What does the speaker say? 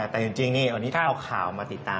แต่จริงนี่วันนี้ถ้าเอาข่าวมาติดตาม